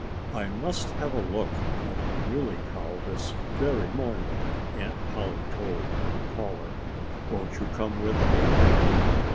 "I must have a look at the Muley Cow this very morning," Aunt Polly told her caller. "Won't you come with me?"